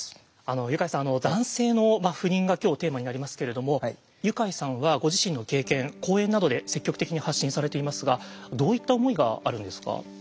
ユカイさん男性の不妊が今日テーマになりますけれどもユカイさんはご自身の経験講演などで積極的に発信されていますがどういった思いがあるんですか？